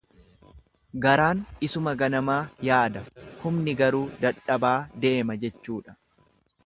Garaan isuma ganamaa yaada humni garuu dadhabaa deema jechuudha.